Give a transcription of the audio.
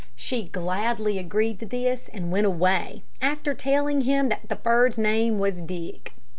She gladly agreed to this and went away, after telling him that the bird's name was Dick.